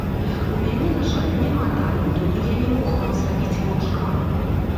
У мяне, на жаль, няма таленту, і я не мог вам зрабіць ваўчка.